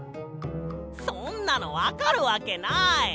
そんなのわかるわけない！